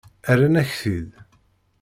Rran-ak-t-id.